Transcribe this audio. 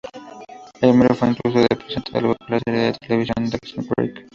El primero fue incluso presentado en la popular serie de televisión Dawson's Creek.